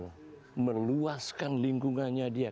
itu meluaskan lingkungannya dia